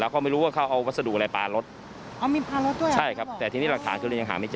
แล้วเขาไม่รู้ว่าเขาเอาวัสดุอะไรปลารถใช่ครับแต่ทีนี้หลักฐานคือเรียนยังหาไม่เจอ